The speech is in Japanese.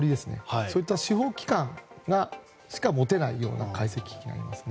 そういった司法機関しか使えない解析機器になりますね。